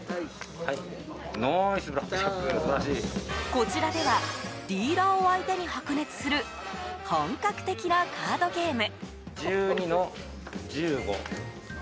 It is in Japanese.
こちらではディーラーを相手に白熱する本格的なカードゲーム。